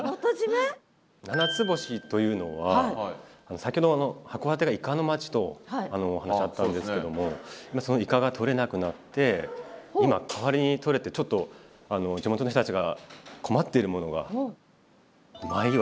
「七つ星」というのは先ほど函館がイカの町とお話あったんですけどもそのイカがとれなくなって今代わりにとれてちょっと地元の人たちが困っているものがほう。